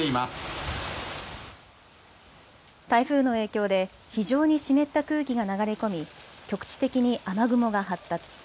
台風の影響で、非常に湿った空気が流れ込み、局地的に雨雲が発達。